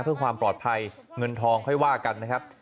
เพื่อความปลอดภัยเงินทองค่อยว่ากันนะครับ